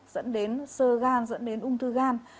dẫn đến sơ gan dẫn đến ung thư gan